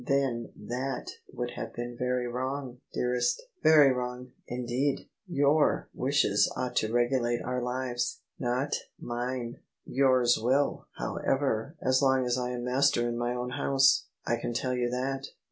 " Then that would have been very wrong, dearest ; very wrong, indeed! Your wishes ought to regulate our lives — ^not mine*' " Yours will, however, as long as I am master in my own house. I can tell you that."